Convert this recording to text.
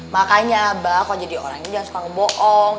makanya bah kok jadi orang ini jangan suka ngebohong